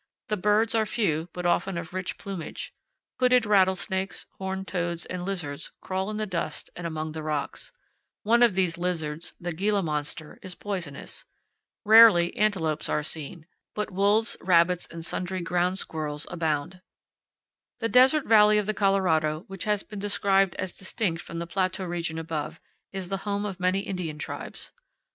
The birds are few, but often of rich plumage. Hooded rattlesnakes, horned toads, and lizards crawl in the dust and among the rocks. One of these lizards, the "Gila monster," is 23 powell canyons 6.jpg SCENERY ON THE HIGH PLATEAUS. 24 CANYONS OF THE COLORADO. poisonous. Rarely antelopes are seen, but wolves, rabbits, and sundry ground squirrels abound. The desert valley of the Colorado, which has been described as distinct from the plateau region above, is the home of many Indian tribes.